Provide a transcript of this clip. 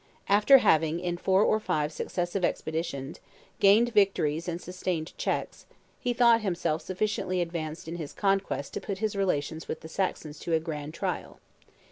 After having, in four or five successive expeditions, gained victories and sustained checks, he thought himself sufficiently advanced in his conquest to put his relations with the Saxons to a grand trial.